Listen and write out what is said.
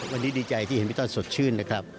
วันนี้ดีใจที่เห็นพี่ต้อนสดชื่นนะครับ